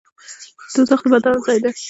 دوزخ د بدانو ځای دی